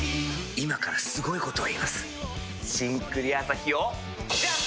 今からすごいこと言います「新・クリアアサヒ」をジャン！